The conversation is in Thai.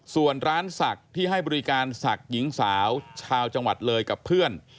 ส่วนร้านศักดิ์ที่ให้บริการศักดิ์หญิงสาวชาวจังหวัดเลยกับเพื่อน